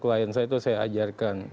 klien saya itu saya ajarin saya mengajar